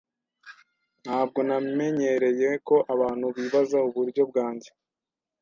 Ntabwo namenyereye ko abantu bibaza uburyo bwanjye.